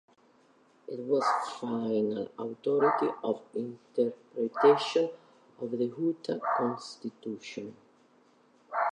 It has final authority of interpretation of the Utah Constitution.